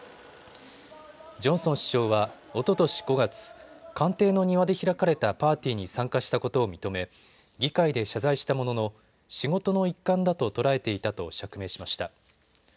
ジョンソン首相はおととし５月、官邸の庭で開かれたパーティーに参加したことを認め議会で謝罪したものの仕事の一環だと捉えていたと釈明しました。